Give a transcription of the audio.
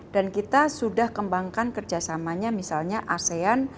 dan kita sudah kembangkan kerjasamanya misalnya asean